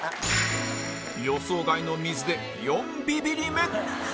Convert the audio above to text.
予想外の水で４ビビリ目